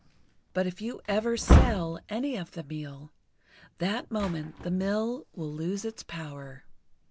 But if you ever sell any of the meal, that moment the mill will lose its power."